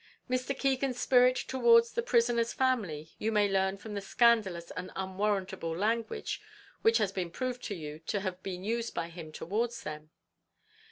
Mr. Keegan's spirit towards the prisoner's family you may learn from the scandalous and unwarrantable language which has been proved to you to have been used by him towards them.